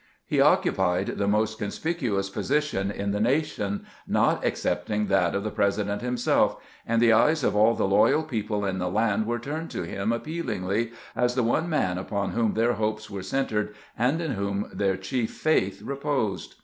He occupied the most conspicu ous position in the nation, not excepting that of the President himself, and the eyes of all the loyal people in the land were turned to him appealingly as the one man upon whom their hopes were centered and in whom their chief faith reposed.